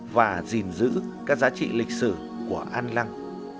và gìn giữ các giá trị lịch sử của an lăng